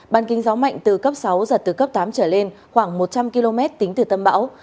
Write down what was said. bàn kinh gió mạnh từ cấp sáu giật từ cấp tám trở lên khoảng một trăm linh km tính từ tâm bão